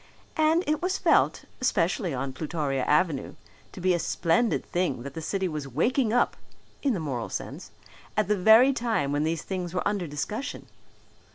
And it was felt, especially on Plutoria Avenue, to be a splendid thing that the city was waking up, in the moral sense, at the very time when these things were under discussion.